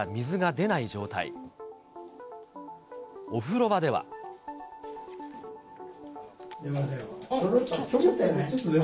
出ませんわ。